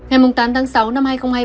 hãy đăng ký kênh để nhận thông tin nhất